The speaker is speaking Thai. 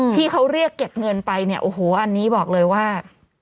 ที่เขาเรียกเก็บเงินไปอันนี้บอกเลยว่า